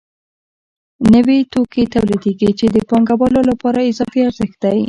نوي توکي تولیدېږي چې د پانګوالو لپاره اضافي ارزښت دی